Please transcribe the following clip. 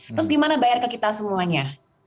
terus gimana bayar ke kita semuanya